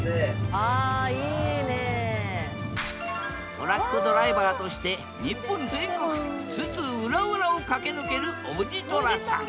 トラックドライバーとして日本全国津々浦々を駆け抜けるおじとらさん。